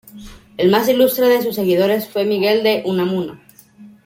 El más ilustre de sus seguidores fue Miguel de Unamuno.